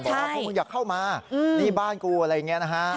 บอกว่าพวกมึงอยากเข้ามานี่บ้านกูอะไรอย่างนี้นะฮะ